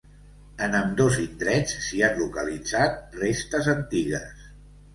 En ambdós indrets s'hi han localitzat restes antigues.